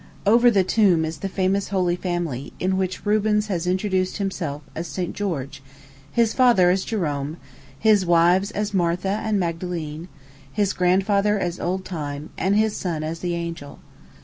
Over the tomb is the famous Holy Family, in which Rubens has introduced himself as St. George, his father as Jerome, his wives as Martha and Magdalene, his grandfather as old Time, and his son as the Angel.